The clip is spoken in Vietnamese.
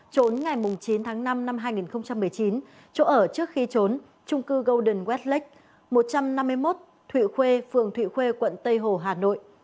trốn ngày chín tháng năm năm hai nghìn một mươi chín chỗ ở trước khi trốn trung cư golden westlake một trăm năm mươi một thụy khuê phường thụy khuê quận tây hồ hà nội